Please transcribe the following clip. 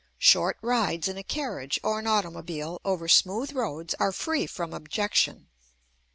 Short rides in a carriage or an automobile over smooth roads are free from objection.